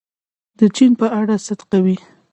د چین په اړه صدق کوي.